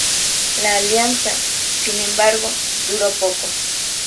La alianza, sin embargo, duró poco.